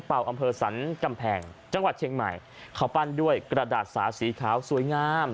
เป่าอำเภอสรรกำแพงจังหวัดเชียงใหม่เขาปั้นด้วยกระดาษสาสีขาวสวยงาม